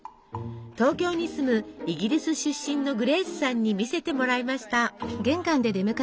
東京に住むイギリス出身のグレースさんに見せてもらいました。